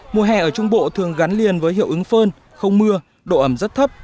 mùa hè ở trung bộ thường gắn liền với hiệu ứng phơn không mưa độ ẩm rất thấp